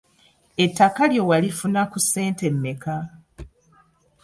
Ettaka lyo walifuna ku ssente mmeka?